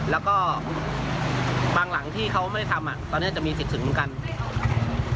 แล้วก็บางหลังที่เขาไม่ได้ทำอ่ะตอนนี้จะมีสิทธิ์ถึงเหมือนกัน